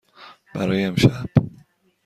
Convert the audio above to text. برای امشب.